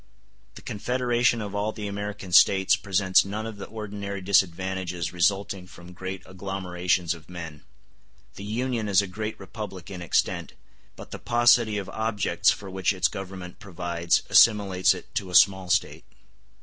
The confederation of all the American States presents none of the ordinary disadvantages resulting from great agglomerations of men. The Union is a great republic in extent, but the paucity of objects for which its Government provides assimilates it to a small State.